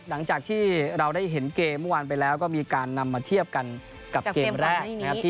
หลังจากที่เราได้เห็นเกมเมื่อวานไปแล้วก็มีการนำมาเทียบกันกับเกมแรกนะครับ